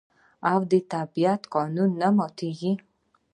او د طبیعت قانون نه ماتیږي.